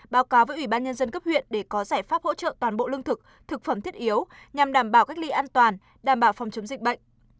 báo cáo với ubnd cấp huyện để có giải pháp hỗ trợ toàn bộ lương thực thực phẩm thiết yếu nhằm đảm bảo cất ly an toàn đảm bảo phòng chống dịch bệnh